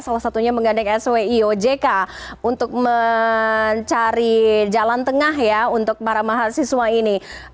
salah satunya mengandung swiojk untuk mencari jalan tengah ya untuk para mahasiswa ini